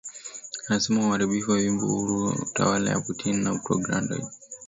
Anasema uharibifu wa vyombo huru chini ya utawala wa Putin na propaganda dhidi ya Ukraine